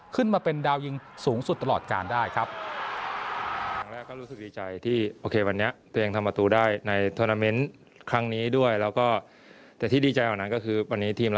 ขึ้นมาเป็นดาวยิงสูงสุดตลอดการได้ครับ